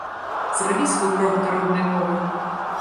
Зрабі свой крок да роднай мовы!